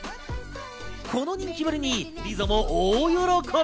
この人気ぶりにリゾも大喜び。